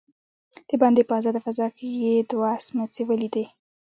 دباندې په آزاده فضا کې يې دوه سمڅې وليدلې.